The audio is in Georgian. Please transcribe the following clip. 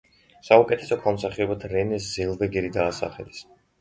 საუკეთესო ქალ მსახიობად რენე ზელვეგერი დაასახელეს.